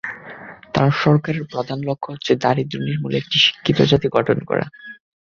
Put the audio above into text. তাঁর সরকারের প্রধান লক্ষ্য হচ্ছে দারিদ্র্য নির্মূলে একটি শিক্ষিত জাতি গঠন করা।